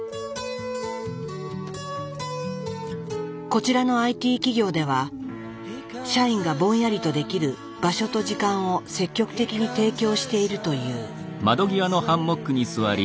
こちらのＩＴ企業では社員がぼんやりとできる場所と時間を積極的に提供しているという。